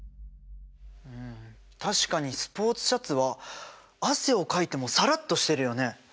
うん確かにスポーツシャツは汗をかいてもサラッとしてるよね。